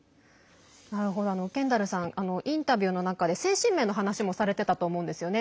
ケンダルさんインタビューの中で精神面の話をされてたと思うんですよね。